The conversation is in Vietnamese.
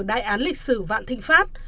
đại án lịch sử vạn thinh pháp